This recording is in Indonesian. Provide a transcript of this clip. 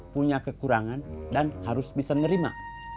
punya kekurangan dan harus bisa nerima